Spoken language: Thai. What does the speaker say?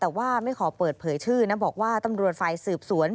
แต่ว่าไม่ขอเปิดเผยชื่อนะบอกว่าตำรวจฝ่ายสืบสวน